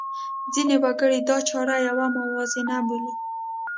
ځینې وګړي دا چاره یوه موازنه بولي.